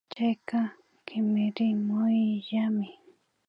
Chayka kimirimunllami